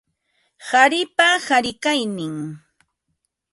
Qaripa qarikaynin